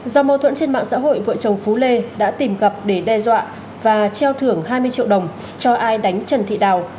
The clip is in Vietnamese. do mâu thuẫn trên mạng xã hội vợ chồng phú lê đã tìm gặp để đe dọa và treo thưởng hai mươi triệu đồng cho ai đánh trần thị đào